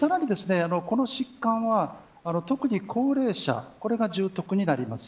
さらにこの疾患は特に高齢者これが重篤になります。